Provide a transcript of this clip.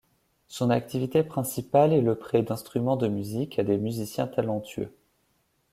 Son activité principale est le prêt d'instruments de musique à des musiciens talentueux.